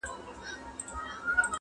نن چي محتسب پر ګودرونو لنډۍ وچي کړې!